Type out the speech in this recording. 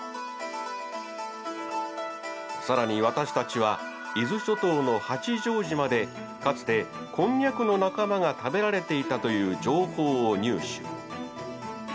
更に私たちは伊豆諸島の八丈島でかつてこんにゃくの仲間が食べられていたという情報を入手。